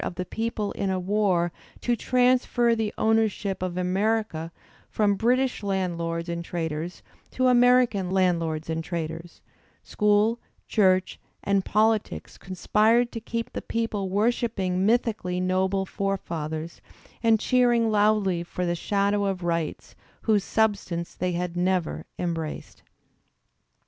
/ of the people in a war to transfer the ownership of America \:^/ from British landlords and traders to American landlords and ^ traders; school, church, and politics conspired to keep the people worshipping mythically noble forefathers and cheering loudly for the shadoT^ of rights whose substance they had never embraced.